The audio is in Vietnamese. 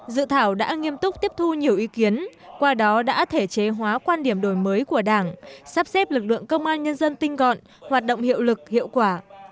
dự thảo đã nghiêm túc tiếp thu nhiều ý kiến qua đó đã thể chế hóa quan điểm đổi mới của đảng sắp xếp lực lượng công an nhân dân tinh gọn hoạt động hiệu lực hiệu quả